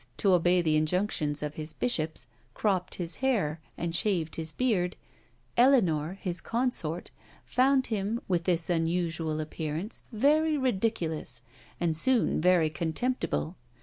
to obey the injunctions of his bishops, cropped his hair, and shaved his beard, Eleanor, his consort, found him, with this unusual appearance, very ridiculous, and soon very contemptible.